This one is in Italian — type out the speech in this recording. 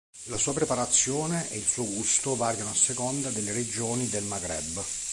La sua preparazione e il suo gusto variano a seconda delle regioni del Maghreb.